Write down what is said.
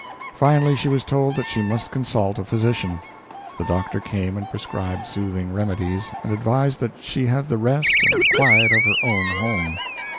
Finally she was told that she must consult a physician. The doctor came and prescribed soothing remedies, and advised that she have the rest and quiet of her own home.